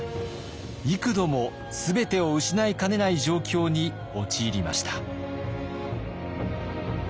幾度も全てを失いかねない状況に陥りました。